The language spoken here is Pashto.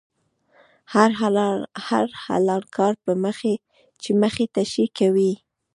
هر حلال کار چې مخې ته شي، کوي یې.